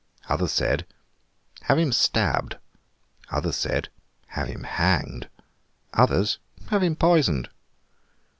Others said, 'Have him stabbed.' Others, 'Have him hanged.' Others, 'Have him poisoned.